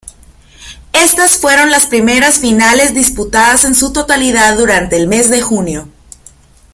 Estas fueron las primeras Finales disputadas en su totalidad durante el mes de junio.